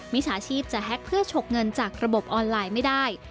มิจฉาชีพจะแฮ็กเพื่อฉกเงินจากระบบออนไลน์ไม่ได้